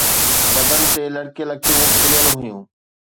بدن تي لڙڪيل اکيون کليل هيون